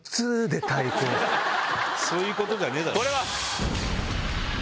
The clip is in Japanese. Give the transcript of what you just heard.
そういうことじゃねえだろ！